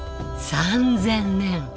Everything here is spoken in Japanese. ３０００年！